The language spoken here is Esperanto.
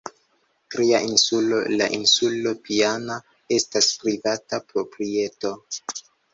Tria insulo, la insulo Piana, estas privata proprieto.